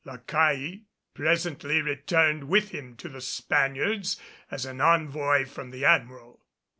La Caille presently returned with him to the Spaniards as an envoy from the Admiral.